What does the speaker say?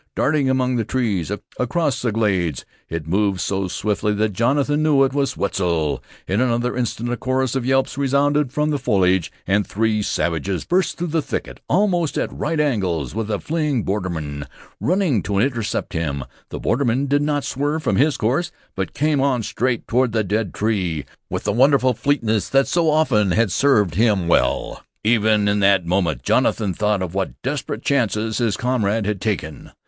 Darting among the trees, across the glades, it moved so swiftly that Jonathan knew it was Wetzel. In another instant a chorus of yelps resounded from the foliage, and three savages burst through the thicket almost at right angles with the fleeing borderman, running to intercept him. The borderman did not swerve from his course; but came on straight toward the dead tree, with the wonderful fleetness that so often had served him well. Even in that moment Jonathan thought of what desperate chances his comrade had taken.